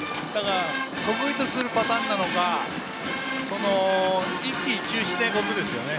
得意とするパターンなのか一喜一憂しないことですね。